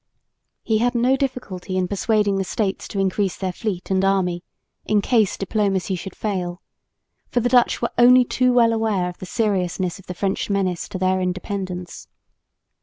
He had no difficulty in persuading the States to increase their fleet and army in case diplomacy should fail, for the Dutch were only too well aware of the seriousness of the French menace to their independence.